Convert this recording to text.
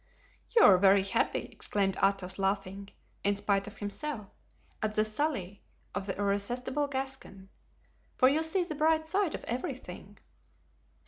"You are very happy," exclaimed Athos, laughing, in spite of himself, at the sally of the irresistible Gascon; "for you see the bright side of everything."